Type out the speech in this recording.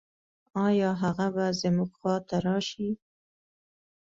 آيا هغه به زموږ خواته راشي؟